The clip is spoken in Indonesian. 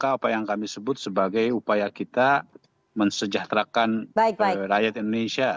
dan itu apa yang kami sebut sebagai upaya kita mensejahterakan rakyat indonesia